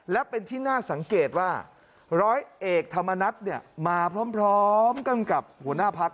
และเป็นที่น่าสังเกตว่าร้อยเอกธรรมนัฐมาพร้อมกันกับหัวหน้าพัก